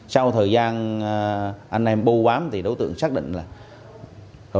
sau thời gian anh em bô bám thì đối tượng xác định là